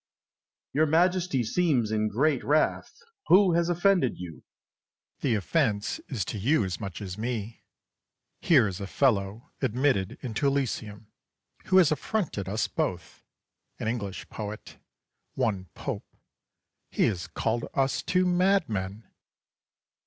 Your Majesty seems in great wrath! Who has offended you? Charles. The offence is to you as much as me. Here is a fellow admitted into Elysium who has affronted us both an English poet, one Pope. He has called us two madmen!